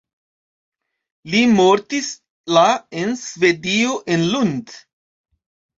Li mortis la en Svedio en Lund.